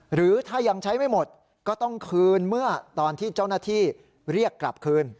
หรือถ้ายังใช้ไม่หมดก็ต้องคืนเมื่อตอนที่เจ้าหน้าที่เรียกกลับคืน